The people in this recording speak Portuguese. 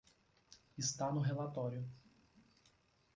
Está no relatório.